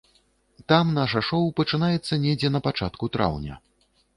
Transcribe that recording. Там наша шоў пачынаецца недзе на пачатку траўня.